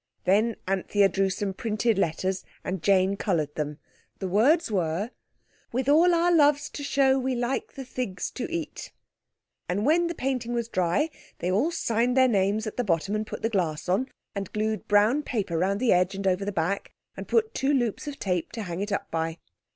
Then Anthea drew some printed letters and Jane coloured them. The words were: "With all our loves to shew We like the thigs to eat." And when the painting was dry they all signed their names at the bottom and put the glass on, and glued brown paper round the edge and over the back, and put two loops of tape to hang it up by.